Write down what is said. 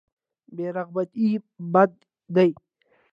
بې رغبتي بد دی.